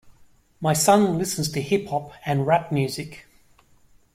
My son listens to hip-hop and rap music.